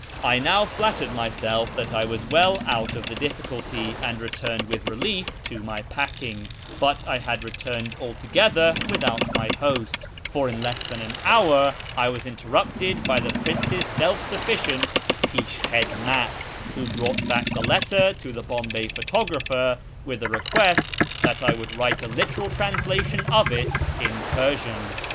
I now flattered myself that I was well out of the difficulty, and returned with relief to my packing; but I had reckoned altogether without my host, for in less than an hour I was interrupted by the prince's self sufficient inshkhidmat, who brought back the letter to the Bombay photographer with a request that I would write a literal translation of it in Persian.